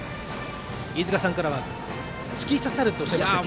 飯塚さんからは突き刺さるとおっしゃいましたっけ。